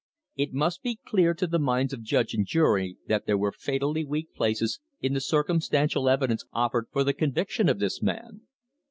It must be clear to the minds of judge and jury that there were fatally weak places in the circumstantial evidence offered for the conviction of this man.